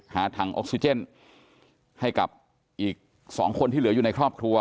หาถังออกซิเจนให้กับอีก๒คนที่เหลืออยู่ในครอบครัว